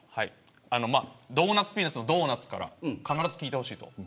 ドーナツ・ピーナツのドーナツから必ず聞いてほしいと。